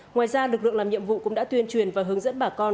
ngoài ra lực lượng làm nhiệm vụ cũng đã tuyên truyền và hướng dẫn bà con